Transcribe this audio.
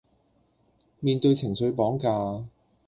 面對情緒綁架